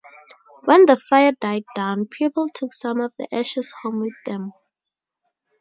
When the fire died down, people took some of the ashes home with them.